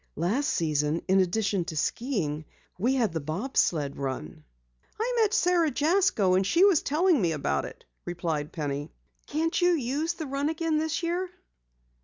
Last season in addition to skiing we had the bob sled run." "I met Sara Jasko and she was telling me about it," replied Penny. "Can't you use the run again this year?"